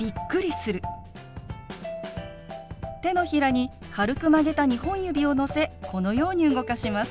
手のひらに軽く曲げた２本指をのせこのように動かします。